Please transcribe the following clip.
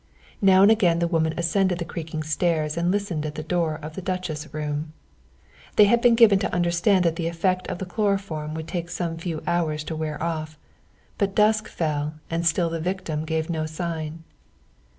Now and again the woman ascended the creaking stairs and listened at the door of the Duchess room. They had been given to understand that the effect of the chloroform would take some few hours to wear off, but dusk fell and still the victim gave no sign.